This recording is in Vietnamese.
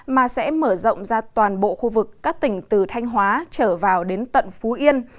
mà sẽ mở rộng ra toàn bộ khu vực các tỉnh từ thanh hóa trở vào đến tận phú yên